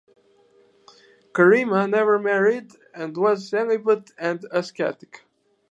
Karima never married and was celibate and ascetic.